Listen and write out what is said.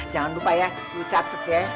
jangan lupa ya lu catet ya